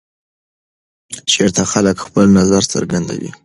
چېرته خلک خپل نظر څرګندوي؟